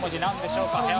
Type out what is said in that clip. なんでしょうか？